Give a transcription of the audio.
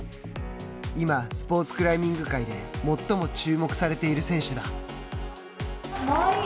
今、スポーツクライミング界で最も注目されている選手だ。